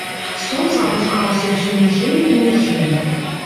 Сонца апускалася ўсё ніжэй і ніжэй.